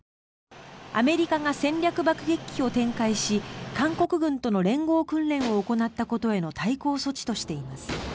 アメリカが戦略爆撃機を展開し韓国軍との連合訓練を行ったことへの対抗措置としています。